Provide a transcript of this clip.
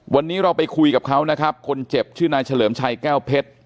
วันนี้เราไปคุยกับเขานะครับคนเจ็บชื่อนายเฉลิมชัยแก้วเพชร